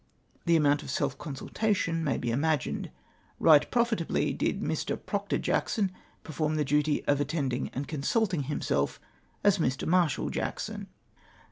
The amount of self consultation may be imagined. Eight profitably did Mi\ Proctor Jackson perform the dut}^ of attending and consulting himself as Mr. Marshal Jackson